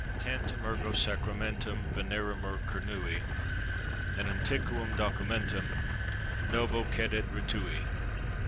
TANTUM ERGO SACRAMENTUM VENEREMUR CERNUI: ET ANTIQUUM DOCUMENTUM NOVO CEDAT RITUI.